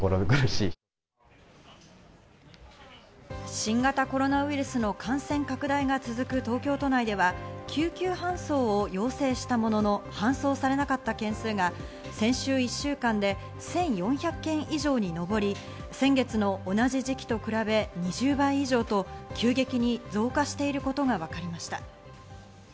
新型コロナウイルスの感染拡大が続く東京都内では救急搬送を要請したものの搬送されなかった件数が先週１週間で１４００件以上にのぼり、先月の同じ時期と比べ２０倍以上と急激に増加していることがわかりました。